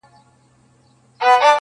ما ستا لپاره په خزان کي هم کرل گلونه~